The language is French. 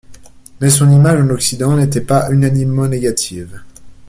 Mais son image en Occident n'était pas unanimement négative.